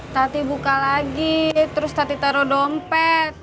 tati buka lagi terus tati taruh dompet